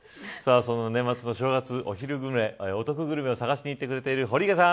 年末の正月お得グルメを探しに行ってくれている堀池さん。